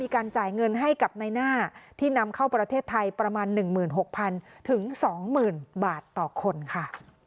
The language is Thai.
การจ่ายเงินให้กับในหน้าที่นำเข้าประเทศไทยประมาณ๑๖๐๐๒๐๐๐บาทต่อคนค่ะ